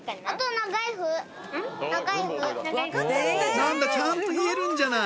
何だちゃんと言えるんじゃない！